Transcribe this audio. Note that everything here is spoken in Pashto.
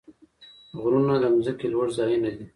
غرونه د ځمکې لوړ ځایونه دي.